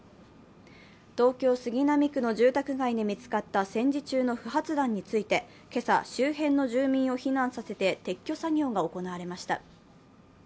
東京・杉並区の住宅街で見つかった戦時中の不発弾について、今朝、周辺の住民を避難させて撤去作業が行われました。